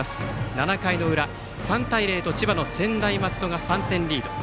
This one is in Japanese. ７回の裏、３対０と千葉の専大松戸が３点リード。